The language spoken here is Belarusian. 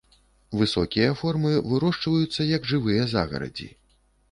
Высокія формы вырошчваюцца як жывыя загарадзі.